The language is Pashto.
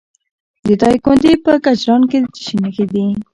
د دایکنډي په کجران کې د څه شي نښې دي؟